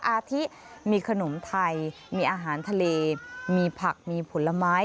อาทิมีขนมไทยมีอาหารทะเลมีผักมีผลไม้